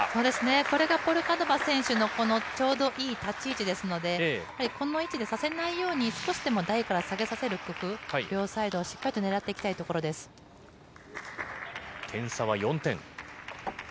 これがポルカノバ選手のこのちょうどいい立ち位置ですので、やはりこの位置でさせないように、少しでも台から下げさせる工夫、両サイドをしっかりと狙っていき点差は４点。